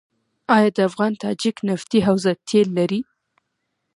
آیا د افغان تاجک نفتي حوزه تیل لري؟